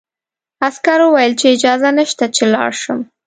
عسکر وویل چې اجازه نشته چې لاړ شم.